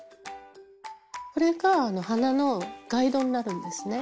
これが鼻のガイドになるんですね。